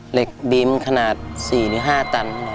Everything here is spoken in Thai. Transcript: เหล็กบีมขนาด๔หรือ๕ตัน